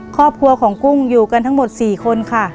ครอบครัวของกุ้งอยู่กันทั้งหมด๔คนค่ะ